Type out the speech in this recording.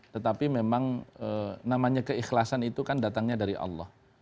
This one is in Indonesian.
tetapi memang namanya keikhlasan itu kan datangnya dari allah